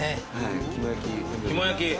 肝焼き。